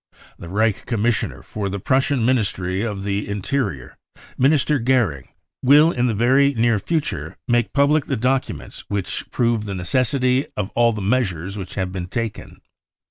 0 " The Reich Commissioner for the Prussian Ministry <pf the Interior, Minister Goering, will in the very near r f THE REAL INCENDIARIES 103 future make public the documents which prove the necessity of all the measures which have been taken.